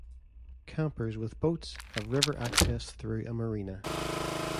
Campers with boats have river access through a marina.